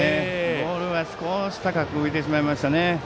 ボールが、少し高く浮いてしまいましたね。